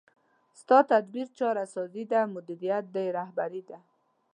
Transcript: ستا تدبیر چاره سازي ده، مدیریت دی هوښیاري ده